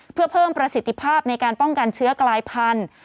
เพื่อเพิ่มประสิทธิภาพในการป้องกันเชื้อกลายพันธุ์